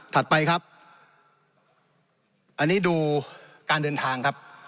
ไปครับอันนี้ดูการเดินทางครับ